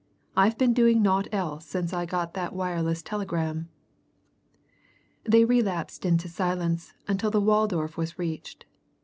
"I've been doing naught else since I got that wireless telegram." Then they relapsed into silence until the Waldorf was reached.